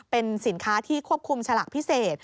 เป็นสินค้าที่ควบคุมฉลากพิเศษ